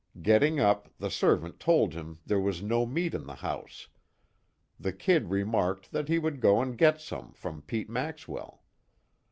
Getting up, the servant told him there was no meat in the house. The "Kid" remarked that he would go and get some from Pete Maxwell.